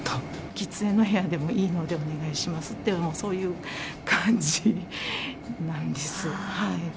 喫煙の部屋でもいいのでお願いしますっていう、もうそういう感じなんです。